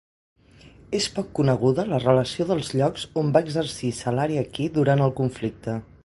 És poc coneguda la relació dels llocs on va exercir Salaria Kea durant el conflicte.